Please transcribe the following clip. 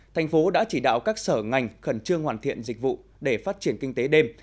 thành phố đã chỉ đạo các sở ngành khẩn trương hoàn thiện dịch vụ để phát triển kinh tế đêm